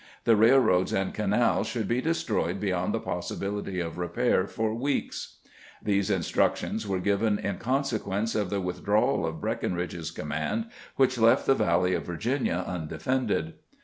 The railroads and canals should be destroyed beyond the possibility of repair for weeks." These instructions were given in consequence of the withdrawal of Breck inridge's command, which left the valley of Virginia undefended.